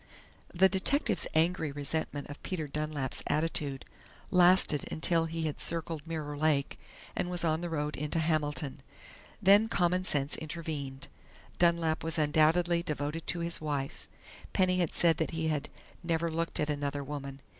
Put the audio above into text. The detective's angry resentment of Peter Dunlap's attitude lasted until he had circled Mirror Lake and was on the road into Hamilton. Then commonsense intervened. Dunlap was undoubtedly devoted to his wife. Penny had said that he had "never looked at another woman."